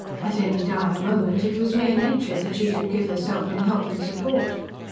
At any dire moment it was mere nature that she should give herself in help and support.